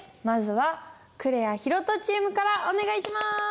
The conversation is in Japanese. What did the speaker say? まずはクレア・大翔チームからお願いします。